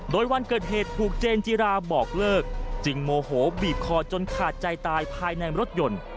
โดยวันเกิดเหตุถูกเจนจิราบอกเลิกจึงโมโหบีบคอจนขาดใจตายภายในรถยนต์